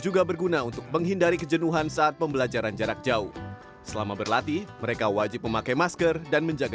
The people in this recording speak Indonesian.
ia pun berharap bisa menjadi atlet menembak nasional